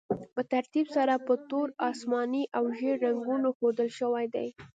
په ترتیب سره په تور، اسماني او ژیړ رنګونو ښودل شوي دي.